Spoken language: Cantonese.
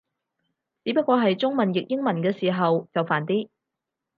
只不過係中文譯英文嘅時候就煩啲